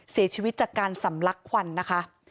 เสียชีวิตจากการสำลักควันนะคะ